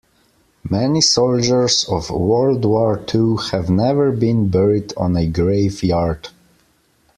Many soldiers of world war two have never been buried on a grave yard.